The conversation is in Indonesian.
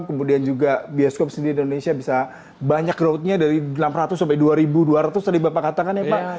kemudian juga bioskop sendiri di indonesia bisa banyak growth nya dari enam ratus sampai dua dua ratus tadi bapak katakan ya pak